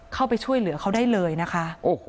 เข้าไปช่วยเหลือเขาได้เลยนะคะ